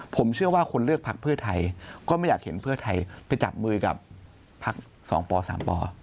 ผมเชื่อว่าคนเลือกพักเพื่อไทยก็ไม่อยากเห็นเพื่อไทยไปจับมือกับพัก๒ป๓ป